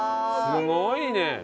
すごいね！